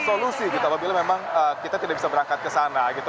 solusi gitu apabila memang kita tidak bisa berangkat ke sana gitu